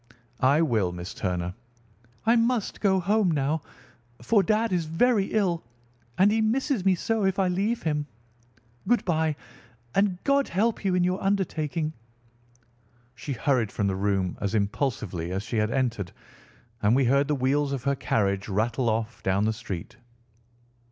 "I will, Miss Turner." "I must go home now, for dad is very ill, and he misses me so if I leave him. Good bye, and God help you in your undertaking." She hurried from the room as impulsively as she had entered, and we heard the wheels of her carriage rattle off down the street.